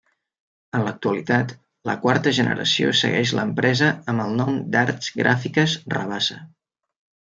En l'actualitat, la quarta generació segueix l'empresa amb el nom d'Arts Gràfiques Rabassa.